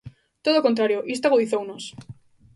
Todo o contrario, isto agudizounos.